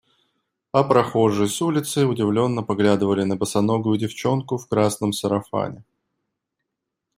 А прохожие с улицы удивленно поглядывали на босоногую девчонку в красном сарафане.